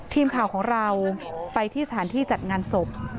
ทีมข่าวของเราไปที่สถานที่จัดงานศพ